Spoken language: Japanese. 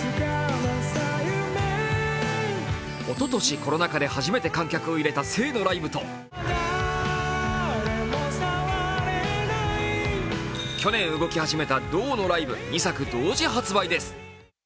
おととし、コロナ禍で初めて観客を入れた「静」のライブと去年、動き始めた「動」のライブ、２作同時発売です。